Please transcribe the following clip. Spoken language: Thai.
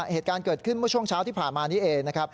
เหตุการณ์เกิดขึ้นเมื่อช่วงเช้าที่ผ่านมานี้เองนะครับ